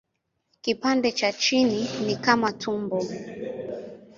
Kipande cha chini ni kama tumbo.